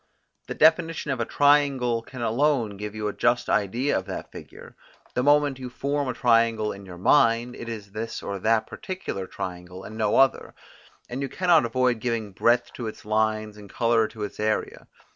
The definition of a triangle can alone give you a just idea of that figure: the moment you form a triangle in your mind, it is this or that particular triangle and no other, and you cannot avoid giving breadth to its lines and colour to its area.